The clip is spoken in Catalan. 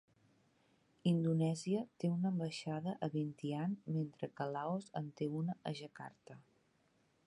Indonèsia té una ambaixada a Vientiane, mentre que Laos en té una a Jakarta.